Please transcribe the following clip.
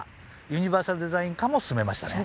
ユニバーサルデザイン化も進めましたね。